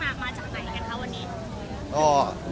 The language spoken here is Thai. อ๋อไม่ทราบว่าพี่มาคือมาจากไหนกันค่ะวันนี้